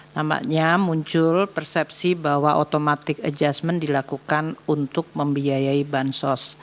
nampaknya muncul persepsi bahwa automatic adjustment dilakukan untuk membiayai bansos